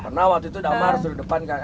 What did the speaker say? karena waktu itu damar harus duduk di depan kan